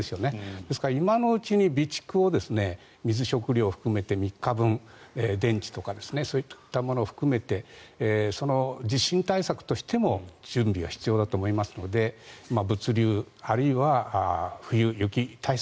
ですから今のうちに備蓄を水、食料含めて３日分電池とかそういったものを含めて地震対策としても準備は必要だと思いますので物流あるいは冬、雪対策